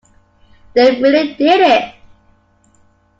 They really did it.